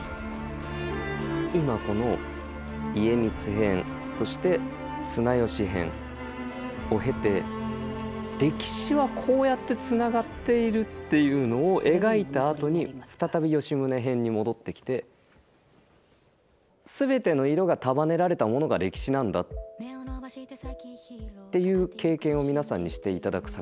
今この家光編そして綱吉編を経て歴史はこうやってつながっているっていうのを描いたあとに再び吉宗編に戻ってきて。っていう経験を皆さんにして頂く作品だと思います。